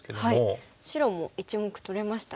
白も１目取れましたね。